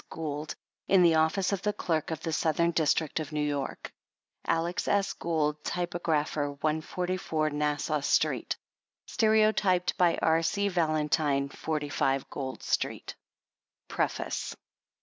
Gould, in the office of the Clerk of the Southern District of New York. ALEX. S. GOULD, TYPOGRAPHER, 144 NASSAU STREET. STEREOTyPED BY R. C. VALENTINE, 45 GOLD STREET. PREFACE.